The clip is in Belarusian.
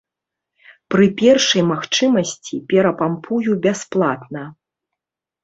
Пры першай магчымасці перапампую бясплатна.